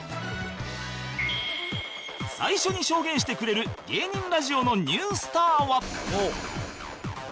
最初に証言してくれる芸人ラジオのニュースターは